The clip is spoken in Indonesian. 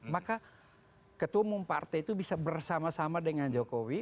maka ketua umum partai itu bisa bersama sama dengan jokowi